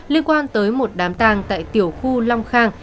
liên quan tới một đám tàng tại tiểu khu long khang